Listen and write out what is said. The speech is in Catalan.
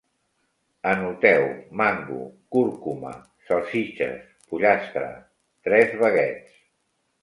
Anoteu: mango, cúrcuma, salsitxes, pollastre, tres baguets